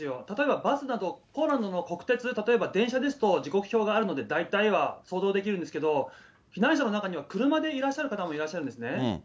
例えばバスだと、ポーランドの国鉄、例えば電車ですと時刻表があるので大体は想像できるんですけど、避難者の中には車でいらっしゃる方もいらっしゃるんですね。